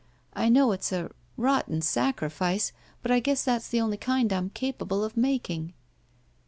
I know it's a — ^rotten sacrifice, but I guess that's the only kind I'm capable of making."